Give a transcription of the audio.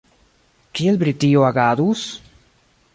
Kiel Britio agadus?